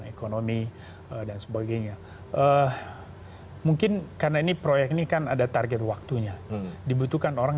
ekonomi dan sebagainya mungkin karena ini proyek ini kan ada target waktunya dibutuhkan orang